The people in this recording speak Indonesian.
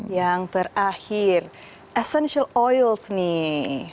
yang terakhir essential oils nih